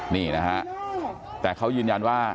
นี่นะฮะแต่เขายืนยันว่า